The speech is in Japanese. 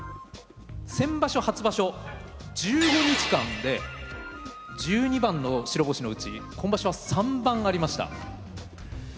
先場所初場所１５日間で十二番の白星のうち今場所は三番ありました。